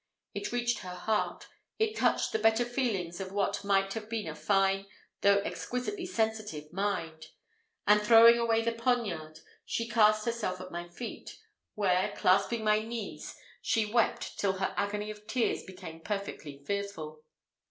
It reached her heart it touched the better feelings of what might have been a fine, though exquisitely sensitive, mind; and, throwing away the poniard, she cast herself at my feet, where, clasping my knees, she wept till her agony of tears became perfectly fearful.